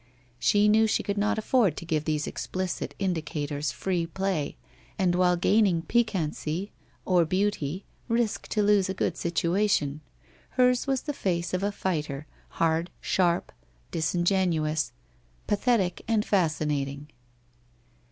She knew she could not afford to give these explicit indicators free play and while gaining piquancy or beauty, risk to lose a good situation. Hers was the face of a fighter, hard, sharp, disingenuous, pathetic and fasci nating.